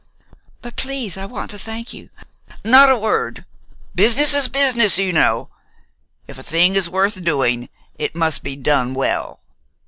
"But, please, I want to thank you " "Not a word! Business is business, you know. If a thing is worth doing, it must be done well.